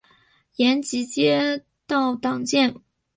延吉街道党建